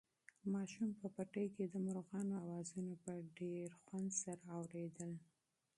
ماشوم په پټي کې د مرغانو اوازونه په ډېر شوق سره اورېدل.